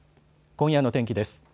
今夜の天気です。